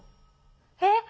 えっ？